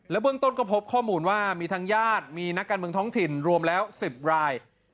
เบื้องต้นก็พบข้อมูลว่ามีทางญาติมีนักการเมืองท้องถิ่นรวมแล้ว๑๐ราย